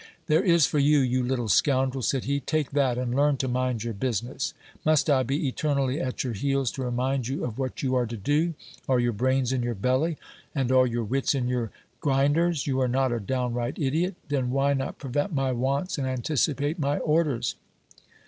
There is for you, you little scoundrel ! said he ; take that, and learn to mind your business. Must I be eternally at your heels to remind you of what you are to do ? Are your brains in your belly, and all your wits in your grind ers ? You are not a downright idiot ! Then why not prevent my wants and anticipate my orders